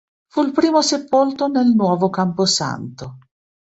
Fu il primo sepolto nel nuovo camposanto.